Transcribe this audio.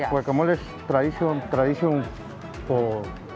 guacamole adalah tradisi untuk